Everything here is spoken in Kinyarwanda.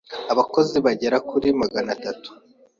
abakozi bagera kuri magana tatu.